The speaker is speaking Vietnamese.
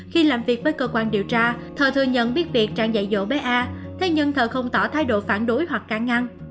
khi làm việc với cơ quan điều tra thơ thừa nhận biết việc trang dạy dỗ bé a thế nhưng thợ không tỏ thái độ phản đối hoặc can ngăn